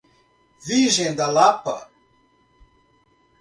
Virgem da Lapa